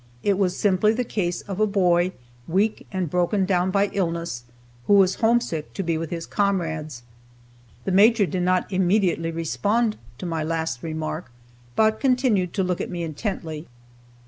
It was simply the case of a boy, weak and broken down by illness, who was homesick to be with his comrades. The Major did not immediately respond to my last remark, but continued to look at me intently.